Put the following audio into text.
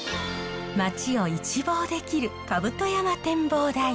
街を一望できる甲山展望台。